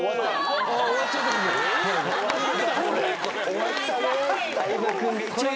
終わったね。